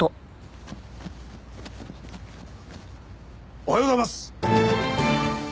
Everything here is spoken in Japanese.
おはようございます！